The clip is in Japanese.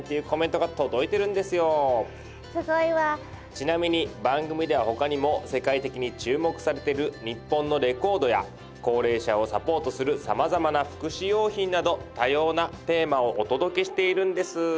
ちなみに番組では他にも世界的に注目されている日本のレコードや高齢者をサポートするさまざまな福祉用品など多様なテーマをお届けしているんです。